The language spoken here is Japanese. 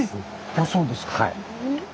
あそうですか。